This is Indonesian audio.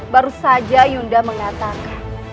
baru saja yunda mengatakan